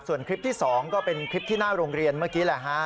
ส่วนคลิปที่๒ก็เป็นคลิปที่หน้าโรงเรียนเมื่อกี้แหละฮะ